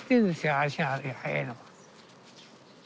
足が速いのが。